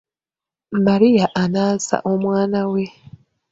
Maria anaaza omwana we.